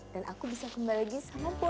dan aku bisa kembali sama boy